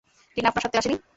টিনা আপনার সাথে আসে নি?